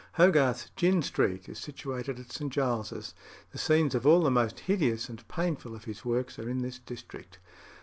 Hogarth's "Gin Street" is situated in St. Giles's. The scenes of all the most hideous and painful of his works are in this district.